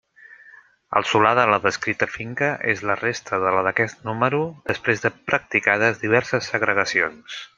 El solar de la descrita finca és la resta de la d'aquest número després de practicades diverses segregacions.